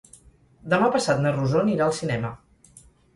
Demà passat na Rosó anirà al cinema.